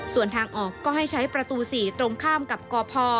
ส่วนทางออกก็ให้ใช้ประตู๔ตรงข้ามกับกพ